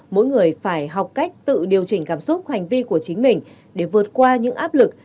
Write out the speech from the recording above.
mỗi người phải học cách tự điều chỉnh cảm xúc hành vi của chính mình để vượt qua những áp lực